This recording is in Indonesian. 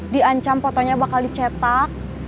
diancam fotonya bakal dicetak